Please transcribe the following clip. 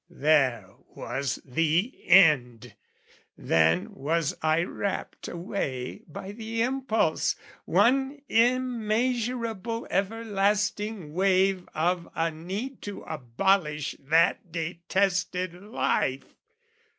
There was the end! Then was I rapt away by the impluse, one Immeasurable everlasting wave of a need To abolish that detested life.